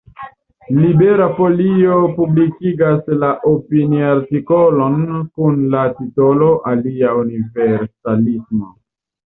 Libera Folio republikigas la opiniartikolon kun la titolo "Alia universalismo".